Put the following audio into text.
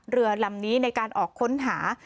เรือลำนี้ในการออกค้นหา